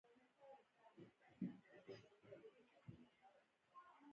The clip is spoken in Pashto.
د ملک کور ته لاړه شه، په تناره راته سوکړکان پاخه کړه.